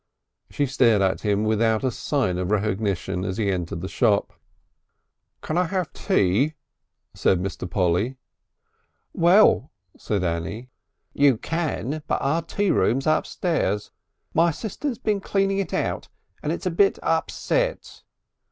She stared at him without a sign of recognition as he entered the shop. "Can I have tea?" said Mr. Polly. "Well," said Annie, "you can. But our Tea Room's upstairs.... My sister's been cleaning it out and it's a bit upset."